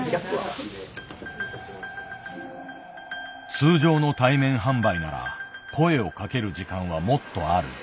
通常の対面販売なら声をかける時間はもっとある。